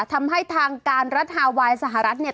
ทำให้ทางการรัฐฮาไวน์สหรัฐเนี่ย